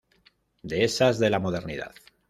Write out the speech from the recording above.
Dehesas de la modernidad.